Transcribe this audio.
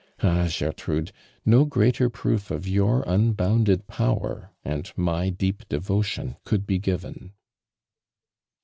AJi, Gertrude, no greater proof of your unbounded power and my deep devotion could be given